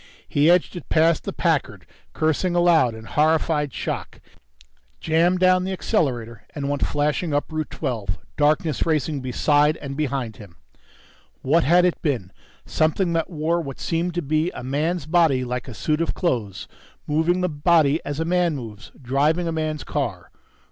He edged it past the Packard, cursing aloud in horrified shock, jammed down the accelerator and went flashing up Route Twelve, darkness racing beside and behind him. What had it been? Something that wore what seemed to be a man's body like a suit of clothes, moving the body as a man moves, driving a man's car